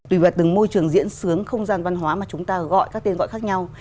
tùy vào từng môi trường diễn sướng không gian văn hóa mà chúng ta gọi các tên gọi khác nhau